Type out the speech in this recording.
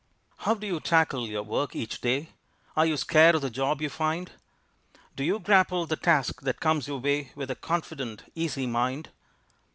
How do you tackle your work each day? Are you scared of the job you find? Do you grapple the task that comes your way With a confident, easy mind?